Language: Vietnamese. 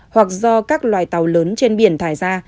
hoặc do các loài tàu lớn trên biển thải ra